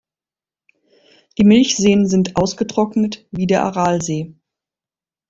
Die Milchseen sind ausgetrocknet wie der Aralsee.